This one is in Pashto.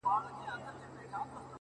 گوره را گوره وه شپوږمۍ ته گوره،